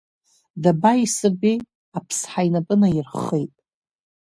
Даба исырбеи, аԥсҳа инапы наирххеит.